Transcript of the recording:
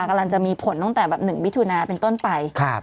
กำลังจะมีผลต้องแต่๑วิทูนาเป็นต้นไป